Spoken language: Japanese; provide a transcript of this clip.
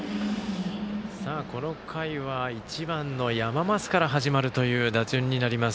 この回は１番の山増から始まるという打順になります。